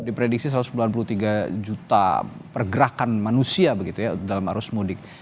diprediksi satu ratus sembilan puluh tiga juta pergerakan manusia begitu ya dalam arus mudik